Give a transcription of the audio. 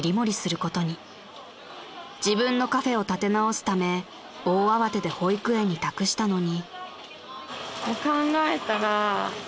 ［自分のカフェを立て直すため大慌てで保育園に託したのに］